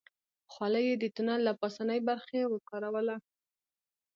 خولۍ يې د تونل له پاسنۍ برخې وکاروله.